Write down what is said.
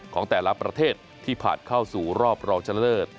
ของแต่ละประเทศที่ผ่านเข้าสู่รอบรองชนะเลิศ